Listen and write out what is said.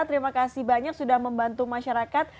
terima kasih banyak sudah membantu masyarakat